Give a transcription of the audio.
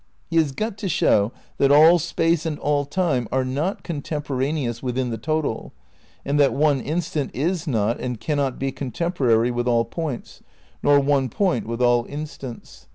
He has got to show that all Space and all Time are not contemporaneous within the total, and that one instant is not and cannot be contemporary with all points, nor one point with all V THE CRITICAL PREPARATIONS 175 instants.